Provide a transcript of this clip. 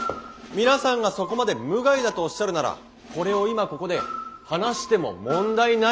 皆さんがそこまで無害だとおっしゃるならこれを今ここで放しても問題ないってことですね！？」。